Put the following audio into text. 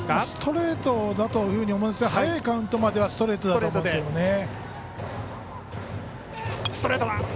ストレートだというふうに思いますが早いカウントまではストレートだと思うんですけどね。